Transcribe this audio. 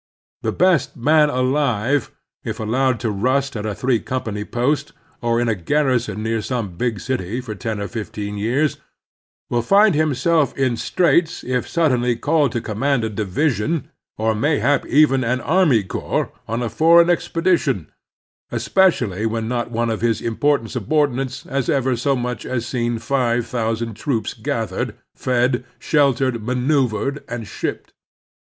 The best man alive, if allowed to rust at a three company post, or in a garrison near some big ^^^^^^^^^^^^^^m^^mi^^^^BMI^^BHIKmh^*^ Preparedness and Unpreparedness 177 city, for ten or fifteen years, will find himself in straits if suddenly called to command a division, or mayhap even an army corps, on a foreign expe dition, especially when not one of his important subordinates has ever so much as seen five thou sand troops gathered, fed, sheltered, maneuvered, and shipped.